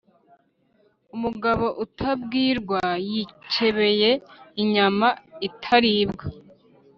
Umugabo utabwirwa yikebeye inyama itaribwa